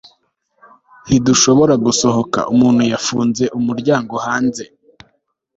ntidushobora gusohoka umuntu yafunze umuryango hanze